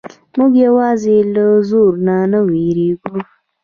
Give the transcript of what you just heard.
موږ یوازې له زور نه وېریږو.